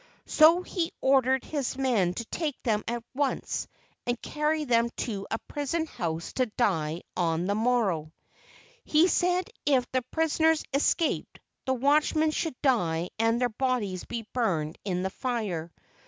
So he ordered his men to take them at once and carry them to a prison house to die on the morrow. He said if the prisoners escaped, the watchmen should die and their bodies be burned in the fire.